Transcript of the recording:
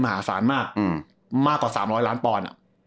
มหาศาลมากมากกว่า๓๐๐ล้านปอนด์